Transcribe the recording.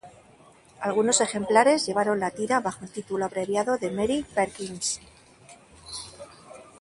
Algunos ejemplares llevaron la tira bajo el título abreviado de Mary Perkins.